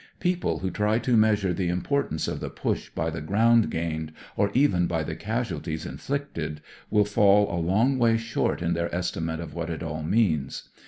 "People who try to measure the im portance of the Push by the groimd gained, or even by the casualties inflicted, will fall a long way short in their estimate of what it all means.